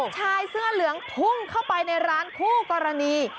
ชายเสื้อเหลืองพุ่งเข้าไปในร้านคู่กรณี